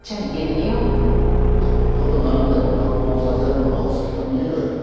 よっぽど何でも合本させるのがお好きと見える。